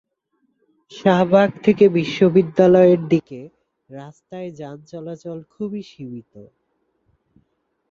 শাহবাগ থেকে বিশ্ববিদ্যালয়ের দিকে রাস্তায় যানচলাচল খুবই সীমিত।